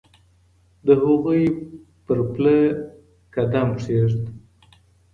د هغوی په پل قدم کېږدئ.